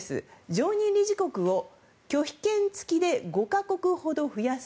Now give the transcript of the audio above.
常任理事国を拒否権付きで５か国ほど増やす。